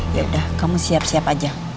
yaudah kamu siap siap aja